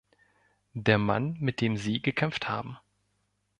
Der Mann, mit dem Sie gekämpft haben.